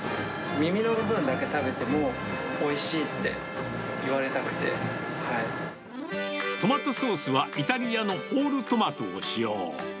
耳の部分だけ食べても、おいしいトマトソースはイタリアのホールトマトを使用。